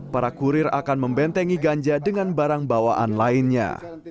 para kurir akan membentengi ganja dengan barang bawaan lainnya